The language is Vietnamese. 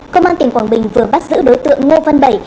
công an tỉnh quảng bình vừa bắt giữ đối tượng ngô văn bảy